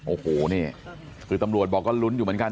โอ้โหนี่คือตำรวจบอกก็ลุ้นอยู่เหมือนกัน